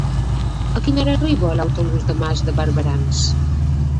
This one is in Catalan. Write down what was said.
A quina hora arriba l'autobús de Mas de Barberans?